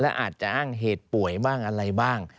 และอาจจะอ้างเหตุป่วยบ้างอะไรบ้าง